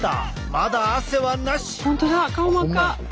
まだ汗はなし！